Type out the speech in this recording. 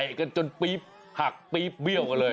กันจนปี๊บหักปี๊บเบี้ยวกันเลย